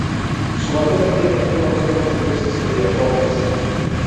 Su bandera tiene el fondo negro con tres estrellas rojas.